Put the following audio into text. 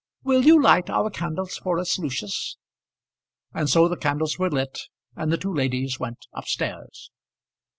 Will you light our candles for us, Lucius?" And so the candles were lit, and the two ladies went up stairs.